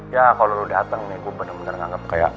ya kalau lo datang nih gue bener bener nganggep kayak